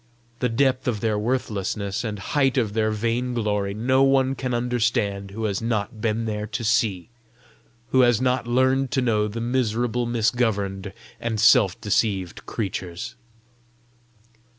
The depth of their worthlessness and height of their vainglory no one can understand who has not been there to see, who has not learned to know the miserable misgoverned and self deceived creatures."